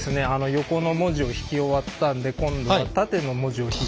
横の文字を引き終わったんで今度は縦の文字を引いていきます。